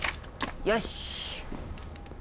よし！